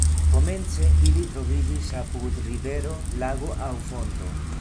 Komence ili troviĝis apud rivero, lago aŭ fonto.